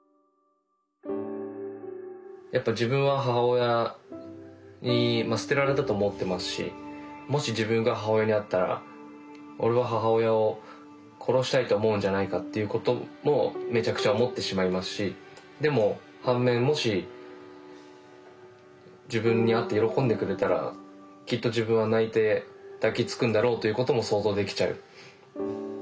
やっぱ自分は母親に捨てられたと思ってますしもし自分が母親に会ったら俺は母親を殺したいと思うんじゃないかっていうこともめちゃくちゃ思ってしまいますしでも反面もし自分に会って喜んでくれたらきっと自分は泣いて抱きつくんだろうということも想像できちゃう。